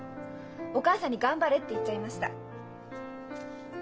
お母さんに「頑張れ」って言っちゃいました。